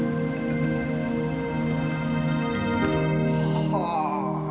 はあ